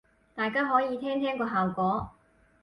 大家可以聽聽個效果